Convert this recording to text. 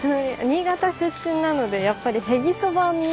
新潟出身なのでやっぱりへぎそばに。